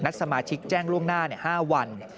สมาชิกแจ้งล่วงหน้า๕วัน